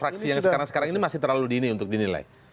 fraksi yang sekarang sekarang ini masih terlalu dinilai